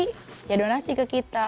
ya donasi ke kita